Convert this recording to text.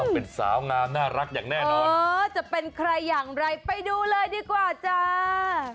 เป็นสาวงามน่ารักอย่างแน่นอนเออจะเป็นใครอย่างไรไปดูเลยดีกว่าจ้า